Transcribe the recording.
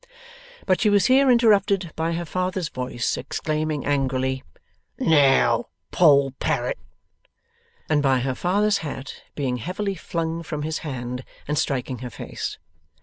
But, she was here interrupted by her father's voice exclaiming angrily, 'Now, Poll Parrot!' and by her father's hat being heavily flung from his hand and striking her face.